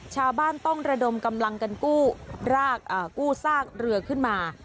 ชาวบ้านต้องระดมกำลังกันกู้ซากเรือขึ้นมา